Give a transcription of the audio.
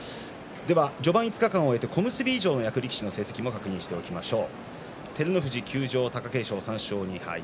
序盤５日間を終えて小結以上の役力士の成績を確認しておきましょう。